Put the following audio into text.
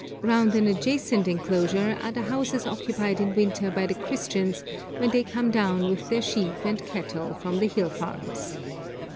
Round an adjacent enclosure are the houses occupied in winter by the Christians when they come down with their sheep and cattle from the hill farms.